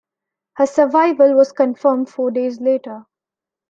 Her survival was confirmed four days later.